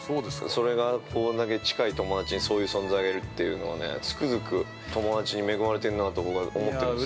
◆それが、こんだけ近い友達にそういう存在がいるというのはつくづく、友達に恵まれてるなと僕は思ってるんですよ。